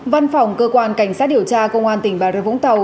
văn phòng cơ quan cảnh sát điều tra công an tỉnh bà rê vũng tàu